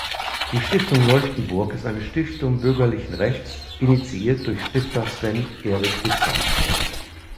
Die Stiftung Leuchtenburg ist eine Stiftung bürgerlichen Rechts, initiiert durch Stifter Sven-Erik Hitzer.